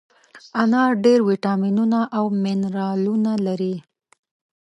انار ډېر ویټامینونه او منرالونه لري.